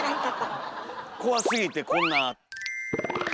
怖すぎてこんな。